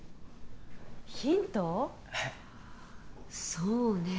そうねえ。